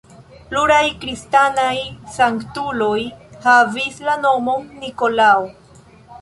Pluraj kristanaj sanktuloj havis la nomon Nikolao.